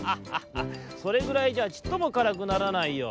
それぐらいじゃあちっともからくならないよ。